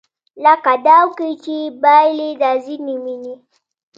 لکه داو کې چې بایلي دا ځینې مینې